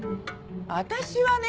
私はね